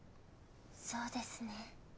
そうですね。